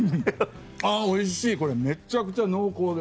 あぁおいしいこれめちゃくちゃ濃厚です。